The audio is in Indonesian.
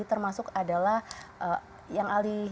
termasuk adalah yang alih